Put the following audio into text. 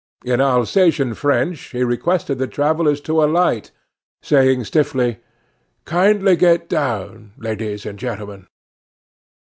In Alsatian French he requested the travellers to alight, saying stiffly: "Kindly get down, ladies and gentlemen."